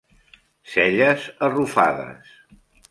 Celles arrufades.